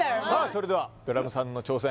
それではドラムさんの挑戦